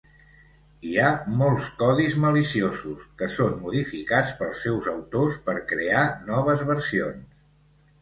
Hi ha molts codis maliciosos que són modificats pels seus autors per crear noves versions.